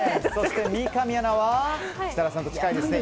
三上アナは設楽さんと近いですね。